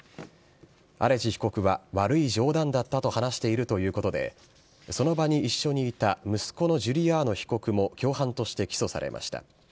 アレジ被告は悪い冗談だったと話しているということで、その場に一緒にいた息子のジュリアーノ被告も共犯として起訴されました。